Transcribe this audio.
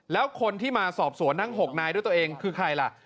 แล้วคนที่มาสอบสวนทั้ง๖นายด้วยตัวเองคือใครล่ะ